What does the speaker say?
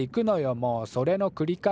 もうそれのくり返し。